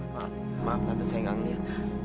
maaf maaf tante saya gak melihat